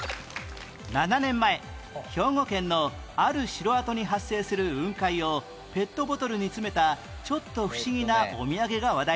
７年前兵庫県のある城跡に発生する雲海をペットボトルに詰めたちょっと不思議なお土産が話題に